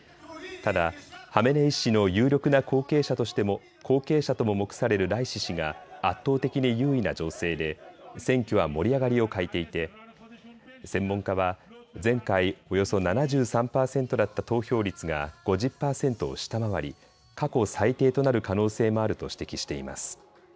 ただハメネイ師の有力な後継者とも目されるライシ師が圧倒的に優位な情勢で選挙は盛り上がりを欠いていて専門家は前回およそ７３％だった投票率が５０％を下回り過去最低となる可能性もあると指摘しています。